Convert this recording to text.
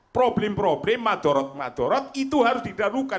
problem problem madorot madorot itu harus didarukan